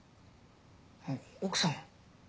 あっ奥さん。